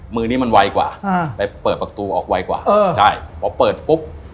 มือนี้มันไวกว่าไปเปิดประตูออกไวกว่าเออใช่พอเปิดปุ๊บ